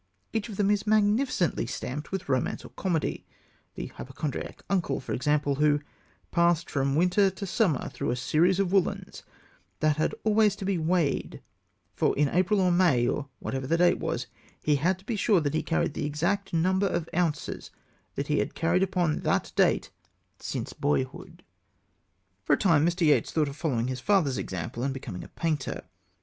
Each of them is magnificently stamped with romance or comedy the hypochondriac uncle, for example, who passed from winter to summer through a series of woollens that had always to be weighed; for in April or May, or whatever the date was, he had to be sure that he carried the exact number of ounces he had carried upon that date since boyhood. For a time Mr. Yeats thought of following his father's example and becoming a painter.